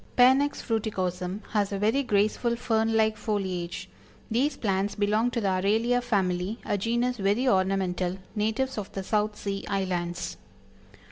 Panax Fruiticosm has a very graceful fern like foliage. These plants belong to the Aralia family, a genus very ornamental, natives of the South Sea Islands.